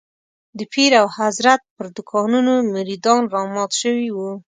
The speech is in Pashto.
د پیر او حضرت پر دوکانونو مريدان رامات شوي وو.